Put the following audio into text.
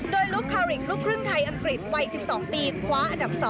โดยลูกคาริกลูกครึ่งไทยอังกฤษวัย๑๒ปีคว้าอันดับ๒